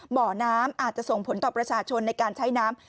บ่อน้ำอาจจะส่งผลต่อประชาชนในการใช้น้ำ